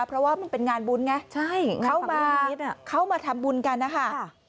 เพราะว่ามันเป็นงานบุญไงใช่เข้ามาทำบุญกันนะคะ